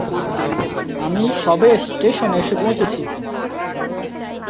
আমি সবে স্টেশনে এসে পৌছেছি।